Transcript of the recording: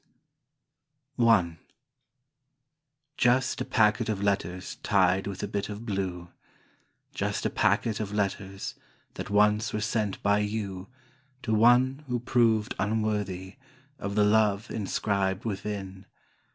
I Just a packet of letters tied with a bit of blue, Just a packet of letters that once were sent by you To one who proved unworthy Of the Love inscribed within.